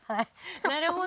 なるほど。